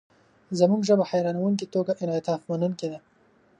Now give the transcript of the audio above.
زموږ ژبه حیرانوونکې توګه انعطافمنونکې ده.